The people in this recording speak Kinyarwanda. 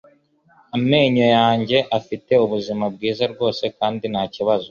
Amenyo yanjye afite ubuzima bwiza rwose kandi nta bibazo